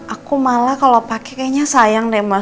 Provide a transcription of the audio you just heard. aku malah kalau pakai kayaknya sayang deh mas